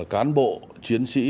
cán bộ chiến sĩ